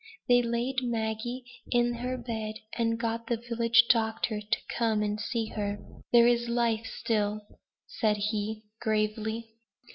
They laid Maggie in her bed, and got the village doctor to come and see her. "There is life still," said he, gravely.